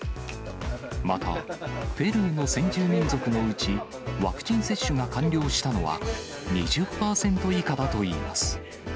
また、ペルーの先住民族のうち、ワクチン接種が完了したのは、２０％以下だといいます。